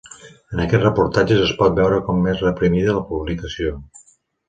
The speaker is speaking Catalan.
En aquests reportatges es pot veure com és reprimida la publicació.